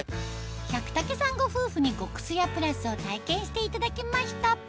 百武さんご夫婦に極すやプラスを体験していただきました